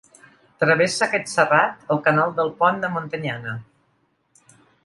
Travessa aquest serrat el Canal del Pont de Montanyana.